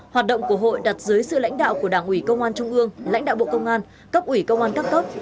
hoạt động của hội đặt dưới sự lãnh đạo của đảng ủy công an trung ương lãnh đạo bộ công an cấp ủy công an các cấp